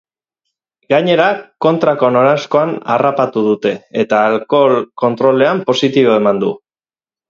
Gainera, kontrako noranzkoan harrapatu dute, eta alkohol-kontrolean positibo eman du.